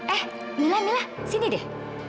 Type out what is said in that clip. eh mila mila sini deh